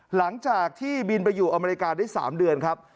หลังจากที่บินไปอยู่อเมริกาได้๓เดือนครับ